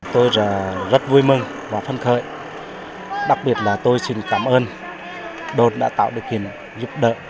tôi rất vui mừng và phân khởi đặc biệt là tôi xin cảm ơn đồn đã tạo được hình giúp đỡ